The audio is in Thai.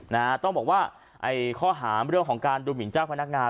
นะฮะต้องบอกว่าไอ้ข้อหาเรื่องของการดูหมินเจ้าพนักงาน